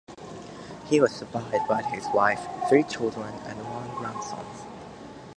He was survived by his wife, three children and one grandson.